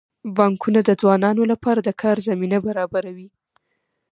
بانکونه د ځوانانو لپاره د کار زمینه برابروي.